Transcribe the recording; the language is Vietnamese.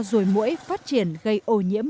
rùi mũi phát triển gây ổ nhiễm